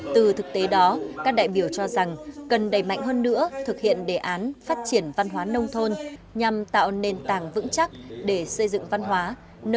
từ thực tế đó các đại biểu cho rằng cần đẩy mạnh hơn nữa thực hiện đề án phát triển văn hóa nông thôn nhằm tạo nền tảng vững chắc để xây dựng văn hóa